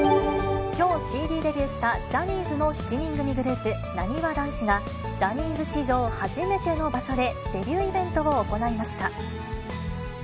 きょう、ＣＤデビューしたジャニーズの７人組グループ、なにわ男子が、ジャニーズ史上初めての場所でデビューイベントを行いました。